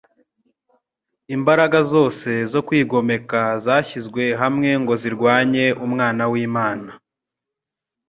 Imbaraga zose zo kwigomeka zashyizwe hamwe ngo zirwanye Umwana w'Imana.